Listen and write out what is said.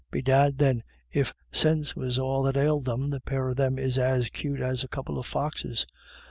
"Bedad, thin, if sinse was all that ailed them, the pair of them is as cute as a couple of foxes.